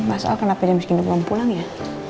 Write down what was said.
mas al kenapa jam segini belum pulang ya